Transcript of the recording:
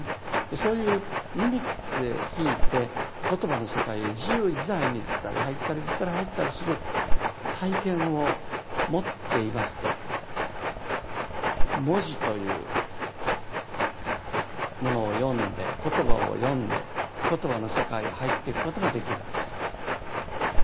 そういう耳で聞いて言葉の世界へ自由自在に出たり入ったり出たり入ったりする体験を持っていますと文字というものを読んで言葉を読んで言葉の世界へ入っていくことができるんです。